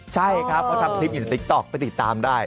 ใช่ครับเขาทำคลิปอยู่ในติ๊กต๊อกไปติดตามได้